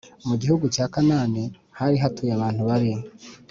Mu gihugu cya Kanaani hari hatuye abantu babi